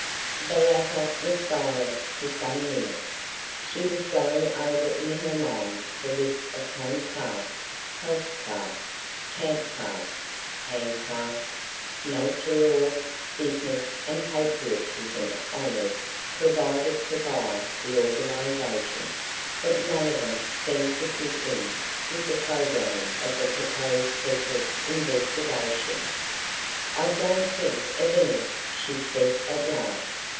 The latter was silent for some minutes. She was going over in her mind the list of home craft, health craft, camp craft, hand craft, nature lore, business and patriotism honors provided for by the organization, but none of them seemed to fit in with the program of the proposed secret investigation. "I don't think of any," she said at last.